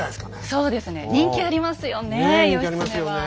そうですね人気ありますよね